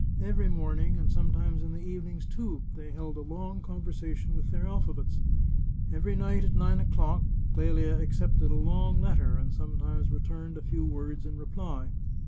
Every morning, and sometimes in the evenings, too, they held a long con versation with their alphabets. Every night at nine o'clock, 354 The Chartreuse of Parma Qelia accepted a long letter, and sometimes returned a few words in reply.